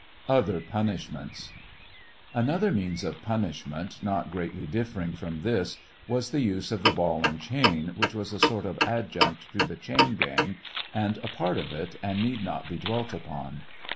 OTHER PDNISHMBNTS. Another means of punishment, not greatly differing from this, was the use of the ball and chain, which was a sort of adjunct to the chain gang, and a part of it, and need not be dwelt upon.